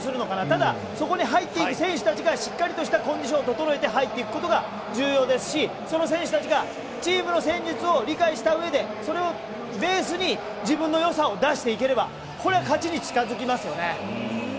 ただそこに入っている選手たちがしっかりとしたコンディションを整えて入っていくことが重要ですしその選手たちがチームの戦術を理解したうえでそれをベースに自分のよさを出していければこれは勝ちに近付きますよね。